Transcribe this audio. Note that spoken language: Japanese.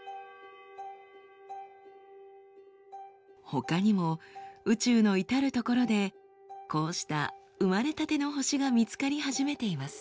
ほかにも宇宙の至る所でこうした生まれたての星が見つかり始めています。